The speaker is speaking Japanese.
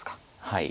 はい。